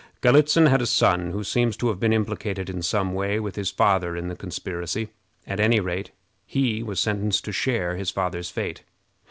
Galitzin had a son who seems to have been implicated in some way with his father in the conspiracy. At any rate, he was sentenced to share his father's fate.